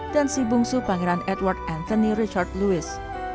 dan si bungsu pangeran edward anthony richard lewis